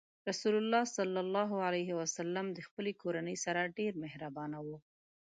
رسول الله ﷺ د خپلې کورنۍ سره ډېر مهربان و.